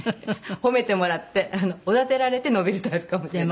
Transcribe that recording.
褒めてもらっておだてられて伸びるタイプかもしれないです。